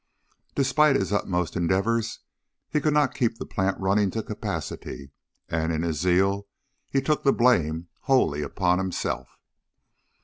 Despite his utmost endeavors, he could not keep the plant running to capacity, and in his zeal he took the blame wholly upon himself.